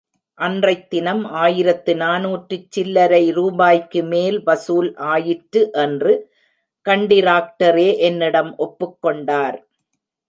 அன்றைத் தினம் ஆயிரத்து நானூற்றுச் சில்லரை ரூபாய்க்குமேல்வசூல் ஆயிற்று என்று கண்டிராக்டரே என்னிடம் ஒப்புக்கொண்டார்.